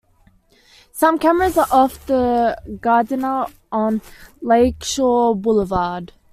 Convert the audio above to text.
Some cameras are off the Gardiner on Lake Shore Boulevard.